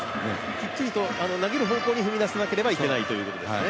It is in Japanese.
きっちりと投げる方向に踏み出さないといけないということなんですよね。